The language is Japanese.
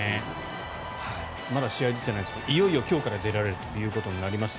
まだ試合に出ていないですがいよいよ今日から出られるということになります。